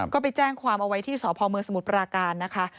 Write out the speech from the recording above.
ก็ไปแจ้งความเอาไว้ที่สพมสมุทรปราการนะคะ